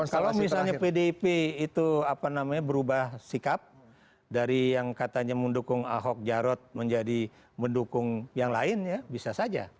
kalau misalnya pdip itu apa namanya berubah sikap dari yang katanya mendukung ahok jarot menjadi mendukung yang lain ya bisa saja